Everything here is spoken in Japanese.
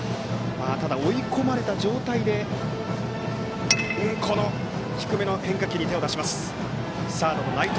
ただ、追い込まれた状態で低めの変化球に手を出します。